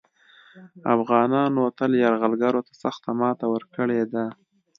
افغانانو تل یرغلګرو ته سخته ماته ورکړې ده